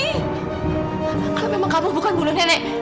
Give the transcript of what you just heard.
kalau memang kamu bukan bulu nenek